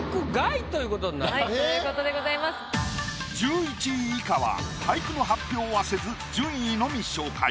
１１位以下は俳句の発表はせず順位のみ紹介。